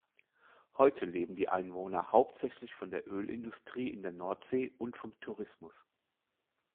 Heute leben die Einwohner hauptsächlich von der Ölindustrie in der Nordsee und vom Tourismus.